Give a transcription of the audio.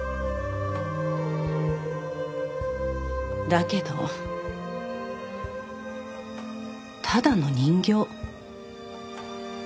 だけどただの人形。